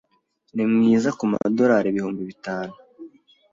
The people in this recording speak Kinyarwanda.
Ni mwiza kumadorari ibihumbi bitanu.